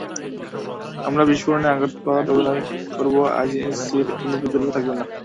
আমরা বিস্ফোরণে আঘাত পাওয়ার অভিনয় করবো, আইএসসির আর কোন বিকল্প থাকবে না।